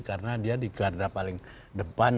karena dia dikehadap paling depan